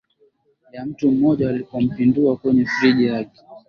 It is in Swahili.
ya mtu mmoja Walipompindua kwenye friji yake